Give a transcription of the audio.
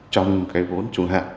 trong cái vốn trung hạn